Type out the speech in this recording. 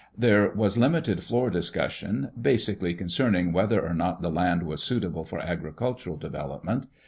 There was limited floor discussion, basically concerning whether or not the land was suitable for agricultural development.